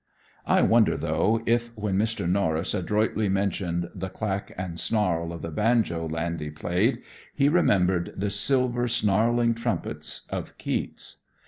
I wonder, though if when Mr. Norris adroitly mentioned the "clack and snarl" of the banjo "Landy" played, he remembered the "silver snarling trumpets" of Keats?